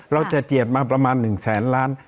เราจะเจียดมาประมาณหนึ่งแสนล้าน